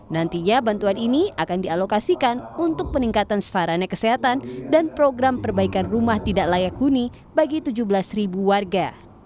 nantinya bantuan ini akan dialokasikan untuk peningkatan sarana kesehatan dan program perbaikan rumah tidak layak huni bagi tujuh belas warga